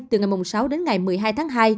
từ ngày sáu đến ngày một mươi hai tháng hai